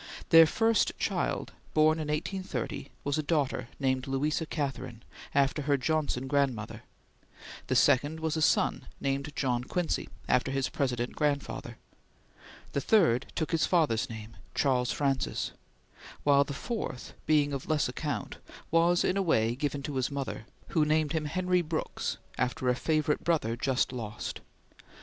Their first child, born in 1830, was a daughter, named Louisa Catherine, after her Johnson grandmother; the second was a son, named John Quincy, after his President grandfather; the third took his father's name, Charles Francis; while the fourth, being of less account, was in a way given to his mother, who named him Henry Brooks, after a favorite brother just lost.